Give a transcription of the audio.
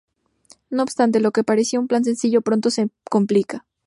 No obstante, lo que parecía un plan sencillo pronto se complica.